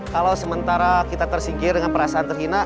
kalau sementara kita tersingkir dengan perasaan terhina